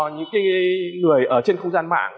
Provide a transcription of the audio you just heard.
những người ở trên không gian mạng